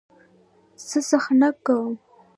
زه څخنک کوم.